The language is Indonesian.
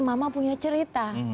mama punya cerita